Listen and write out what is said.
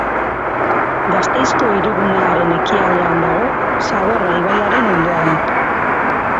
Gasteizko hirigunearen ekialdean dago, Zadorra ibaiaren ondoan.